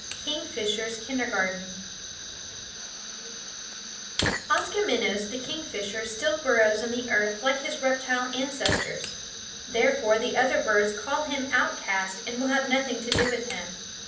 KINGFISHER'S KINDERGARTEN Koskomenos the kingfisher still burrows in the earth like his reptile ancestors; therefore the other birds call him outcast and will have nothing to do with him.